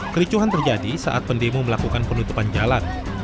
kericuhan terjadi saat pendemo melakukan penutupan jalan